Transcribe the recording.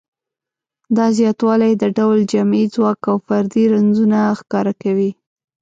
دا زیاتوالی د ډول جمعي ځواک او فردي رنځونه ښکاره کوي.